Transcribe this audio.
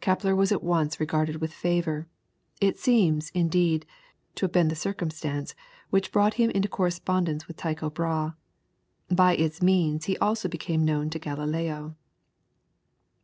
Kepler was at once regarded with favour. It seems, indeed, to have been the circumstance which brought him into correspondence with Tycho Brahe. By its means also he became known to Galileo.